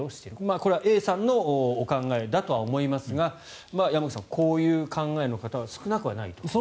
これはＡさんのお考えだと思いますが山口さん、こういう考え方の人が少なくはないと。